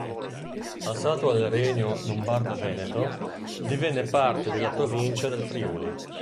Passato al regno Lombardo-Veneto, divenne parte della provincia del Friuli.